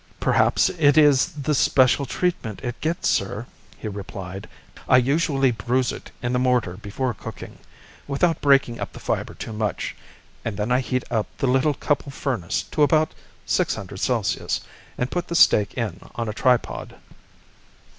"Perhaps it is the special treatment it gets, sir," he replied. "I usually bruise it in the mortar before cooking, without breaking up the fibre too much, and then I heat up the little cupel furnace to about 600 C, and put the steak in on a tripod."